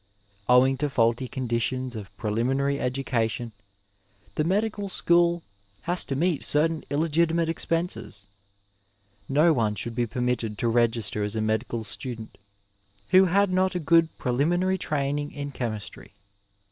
Owing to faulty conditions of preliminary education the medical school has to meet certain illegiti mate expenses. No one should be permitted to register as a medical student who had not a good preliminary training in chemistry.